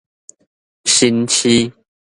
新市